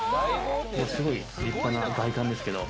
すごい立派な外観ですけど。